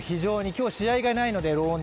今日は試合がないので。